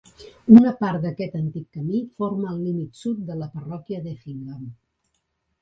Una part d'aquest antic camí forma el límit sud de la parròquia d'Effingham.